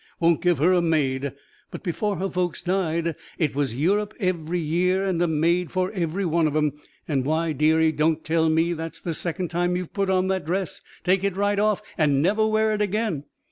Won't give her a maid. But before her folks died, it was Europe every year and a maid for every one of 'em, and 'Why, deary, don't tell me that's the second time you've put on that dress! Take it right off and never wear it again.'"